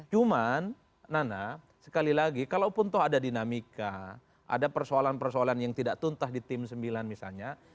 cuman nana sekali lagi kalaupun toh ada dinamika ada persoalan persoalan yang tidak tuntah di tim sembilan misalnya